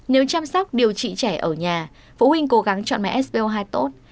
nếu chăm sóc điều trị trẻ ở nhà phụ huynh cố gắng chọn máy spo hai tốt